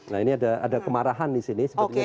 nah ini ada kemarahan disini